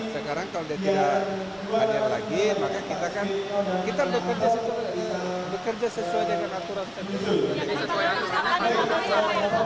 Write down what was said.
sekarang kalau dia tidak hadir lagi maka kita kan bekerja sesuai dengan aturan setiap hari